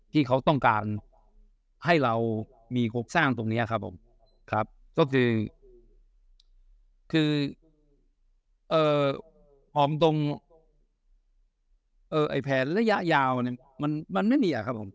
ที่เขาต้องการให้เรามีโครงสร้างตรงนี้ครับผมคือหอมตรงแผนระยะยาวมันไม่มีครับผม